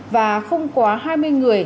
và không quá hai mươi người